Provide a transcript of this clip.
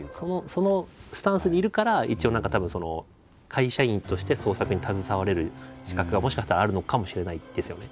そのスタンスにいるから一応何かたぶんその会社員として創作に携われる資格がもしかしたらあるのかもしれないですよね。